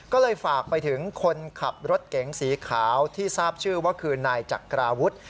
ก็เลยฝากไปถึงคนขับรถเก๋งสีขาวที่ทราบชื่อว่าคือนายจักราวุฒิ